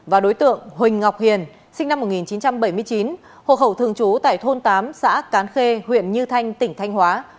và đối tượng huỳnh ngọc hiền sinh năm một nghìn chín trăm bảy mươi chín hộ khẩu thường trú tại thôn tám xã cán khê huyện như thanh tỉnh thanh hóa